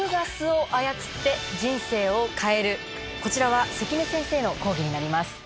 こちらは関根先生の講義になります。